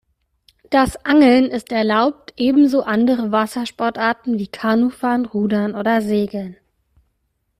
Das Angeln ist erlaubt, ebenso andere Wassersportarten wie Kanufahren, Rudern oder Segeln.